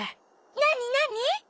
なになに？